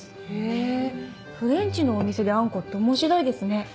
へぇフレンチのお店であんこって面白いですね。